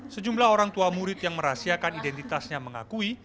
sejumlah orang tua murid yang merahasiakan identitasnya mengakui